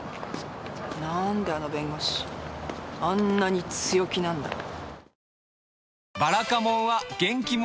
何であの弁護士あんなに強気なんだろう。